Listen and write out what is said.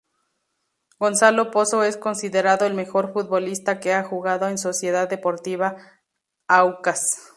Gonzalo Pozo es considerado el mejor futbolista que ha jugado en Sociedad Deportiva Aucas.